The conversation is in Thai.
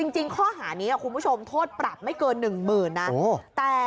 จริงข้อหานี้คุณผู้ชมโทษปรับไม่เกินหนึ่งหมื่นนะ